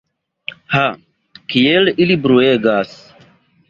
Ha, kiel ili bruegas!